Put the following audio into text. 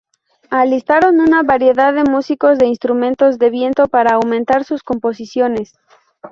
Alistaron una variedad de músicos de instrumentos de viento para aumentar sus composiciones.